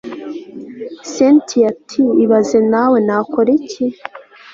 cyntia ati ibaze nawe nakoriki